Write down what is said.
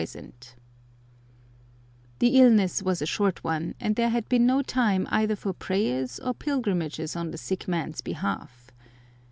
[Picture: Torii] The illness was a short one, and there had been no time either for prayers or pilgrimages on the sick man's behalf.